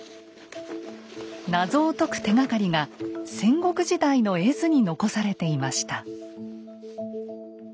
謎を解く手がかりが戦国時代の絵図に残されていました。